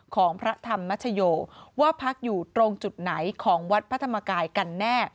ของพระธรรมชโยว่าพักอยู่ตรงจุดไหนของวัดพระธรรมกายกันแน่